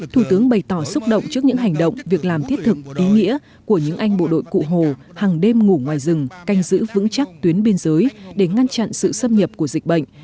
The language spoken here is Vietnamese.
thủ tướng bày tỏ xúc động trước những hành động việc làm thiết thực ý nghĩa của những anh bộ đội cụ hồ hàng đêm ngủ ngoài rừng canh giữ vững chắc tuyến biên giới để ngăn chặn sự xâm nhập của dịch bệnh